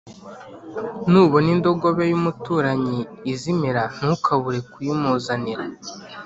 Nubona indogobe y’umuturanyi izimira ntukabure kuyimuzanira